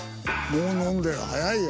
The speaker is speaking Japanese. もう飲んでる早いよ。